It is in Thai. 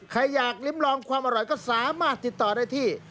ใครอยากลิ้มลองความอร่อยก็สามารถติดต่อได้ที่